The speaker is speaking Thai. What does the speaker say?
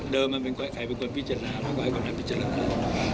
เดิมใครเป็นคนพิจารณาเราก็ให้คนนั้นพิจารณา